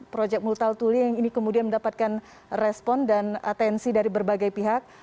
proyek multal tuli yang ini kemudian mendapatkan respon dan atensi dari berbagai pihak